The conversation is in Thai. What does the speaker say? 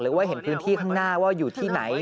ว่าเห็นพื้นที่ข้างหน้าว่าอยู่ที่ไหน